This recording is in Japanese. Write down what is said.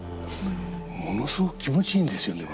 ものすごく気持ちいいんですよね。